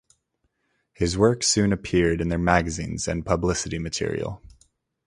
His work soon appeared in their magazines and publicity material.